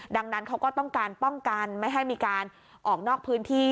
ดังนั้นเขาก็ต้องการป้องกันไม่ให้มีการออกนอกพื้นที่